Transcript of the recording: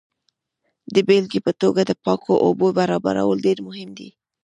د بیلګې په توګه د پاکو اوبو برابرول ډیر مهم دي.